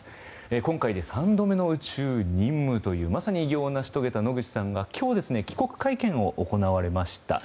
今回で３度目の宇宙任務というまさに偉業を成し遂げた野口さんが今日、帰国会見を行われました。